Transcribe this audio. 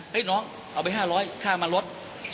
เฮ้ยน้องเอาไป๕๐๐ค่ามารถ